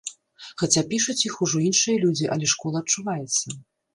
Хаця пішуць іх ужо іншыя людзі, але школа адчуваецца.